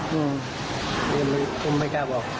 หนูยังไม่กล้าบอก